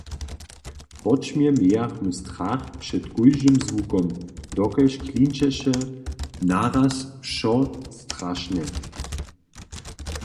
Póćmje mějachmy strach před kóždym zwukom, dokelž klinčeše naraz wšo strašne.